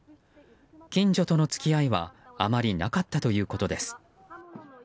近所との付き合いはあまりなかったということです。